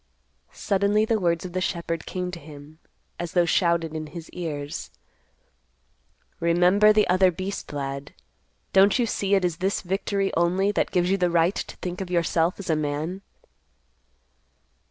Suddenly the words of the shepherd came to him, as though shouted in his ears, _"Remember the other beast, lad. Don't you see it is this victory only that gives you the right to think of yourself as a man?"